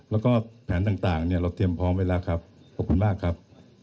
แล้วก็แผนต่างเนี่ยเราเตรียมพร้อมไว้แล้วครับขอบคุณมากครับ